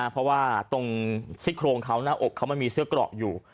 เพราะว่าตรงซี่โครงเขาหน้าอกเขามันมีเสื้อเกราะอยู่